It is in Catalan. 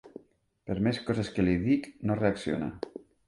Per més coses que li dic no reacciona.